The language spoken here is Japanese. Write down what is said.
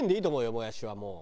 もやしはもう。